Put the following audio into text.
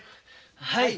はい。